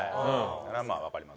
これはまあわかります。